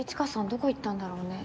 どこ行ったんだろうね。